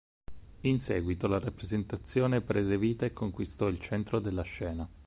In seguito la rappresentazione prese vita e conquistò il centro della scena.